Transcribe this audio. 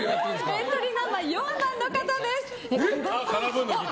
エントリーナンバー４番の方です。